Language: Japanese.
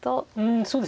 そうですね